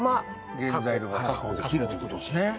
原材料が確保できるということですね。